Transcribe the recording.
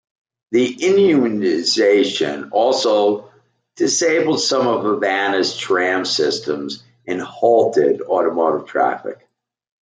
The inundation also disabled some of Havana's tram systems and halted automotive traffic.